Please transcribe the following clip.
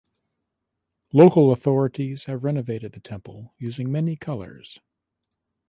Local authorities have renovated the temple using many colours.